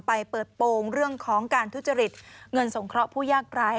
เปิดโปรงเรื่องของการทุจริตเงินสงเคราะห์ผู้ยากร้าย